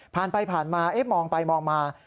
ผ่านไปผ่านมามองไปมองมา